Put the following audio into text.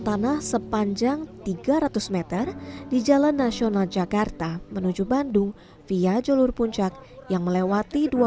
tanah sepanjang tiga ratus m di jalan nasional jakarta menuju bandung via jalur puncak yang melewati dua